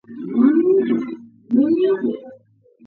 პირველ სართულის ჩრდილოეთ კედელში ერთი სწორკუთხა ნიშია.